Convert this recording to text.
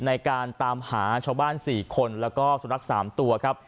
ในการตามหาชาวบ้าน๔คนแล้วก็สุนัข๓ตัวครับ